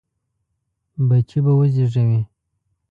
بچي به وزېږوي.